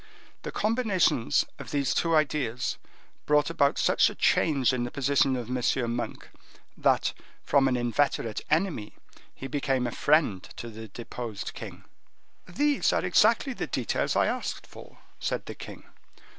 The combinations of these two ideas brought about such a change in the position of M. Monk, that, from an inveterate enemy, he became a friend to the deposed king." "These are exactly the details I asked for," said the king.